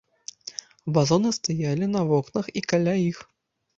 Вазоны стаялі на вокнах і каля іх.